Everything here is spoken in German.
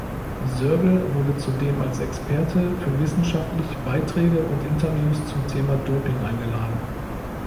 Sörgel wurde zudem als Experte für wissenschaftlich Beiträge und Interviews zum Thema Doping eingeladen.